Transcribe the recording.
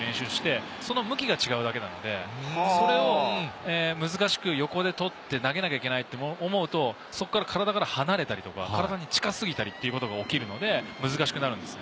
その向きが違うだけなので、それを難しく横でとって投げなきゃいけないと思うと、そこから体から離れたりとか、体に近すぎたりとかってことが起きるので、難しくなるんです。